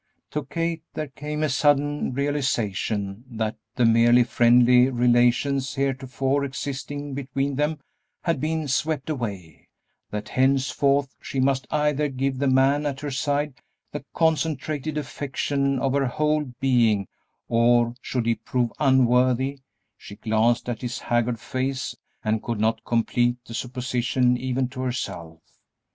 To Kate there came a sudden realization that the merely friendly relations heretofore existing between them had been swept away; that henceforth she must either give the man at her side the concentrated affection of her whole being or, should he prove unworthy, she glanced at his haggard face and could not complete the supposition even to herself.